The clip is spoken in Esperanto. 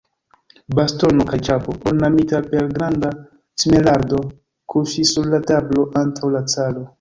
Bastono kaj ĉapo, ornamita per granda smeraldo, kuŝis sur la tablo antaŭ la caro.